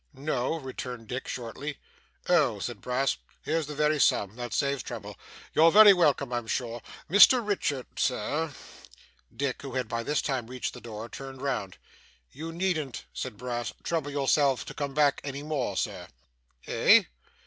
'No,' returned Dick, shortly. 'Oh!' said Brass, 'here's the very sum. That saves trouble. You're very welcome I'm sure. Mr Richard, sir ' Dick, who had by this time reached the door, turned round. 'You needn't,' said Brass, 'trouble yourself to come back any more, Sir.' 'Eh?